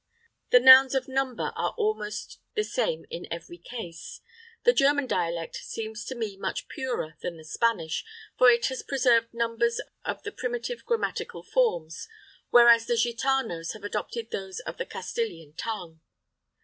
The nouns of number are almost the same in every case. The German dialect seems to me much purer than the Spanish, for it has preserved numbers of the primitive grammatical forms, whereas the Gitanos have adopted those of the Castilian tongue.